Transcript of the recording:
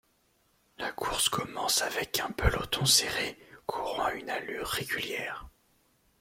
La course commence avec un peloton serré courant à une allure réguliere.